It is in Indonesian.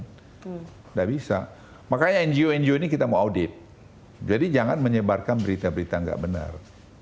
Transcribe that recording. tidak bisa makanya ngo ngo ini kita mau audit jadi jangan menyebarkan berita berita nggak benar